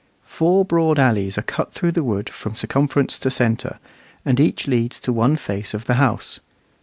Four broad alleys are cut through the wood from circumference to centre, and each leads to one face of the house.